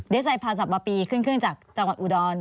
เดี๋ยวใส่พาสับมาปีขึ้นจากจังหวัดอุดร